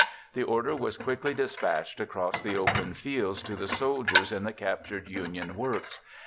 The order was quickly dispatched across the open fields to the soldiers in the captured Union works.